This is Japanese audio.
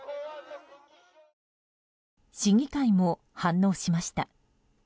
市議会も反応しました。